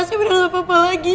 saya udah gak apa apa lagi